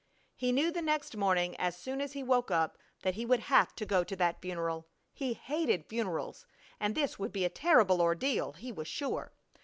He knew the next morning as soon as he woke up that he would have to go to that funeral. He hated funerals, and this would be a terrible ordeal, he was sure.